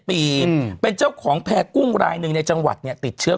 ปีอืมเป็นเจ้าของแพแลกูลายนึงในจังหวัดเนี่ยติดเชื้อ